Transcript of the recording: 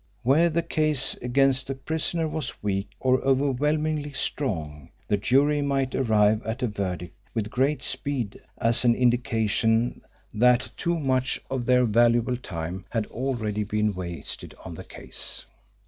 Where the case against the prisoner was weak or overwhelmingly strong, the jury might arrive at a verdict with great speed as an indication that too much of their valuable time had already been wasted on the case.